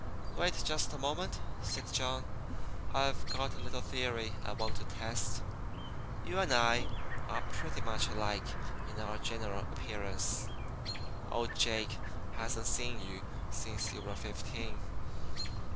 "Wait just a moment," said John. "I've got a little theory I want to test. You and I are pretty much alike in our general appearance. Old Jake hasn't seen you since you were fifteen.